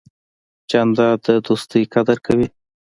جانداد د دوستۍ قدر کوي.